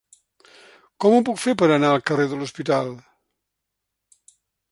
Com ho puc fer per anar al carrer de l'Hospital?